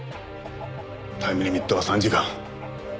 タイムリミットは３時間。